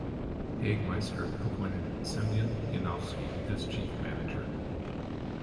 Hagemeister appointed Semyon Yanovsky, as Chief Manager.